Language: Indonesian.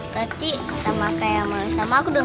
tapi sama kaya malu sama aku dong